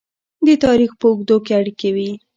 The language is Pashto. د تاریخ په اوږدو کې اړیکې وې.